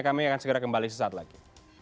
kami akan segera kembali sesaat lagi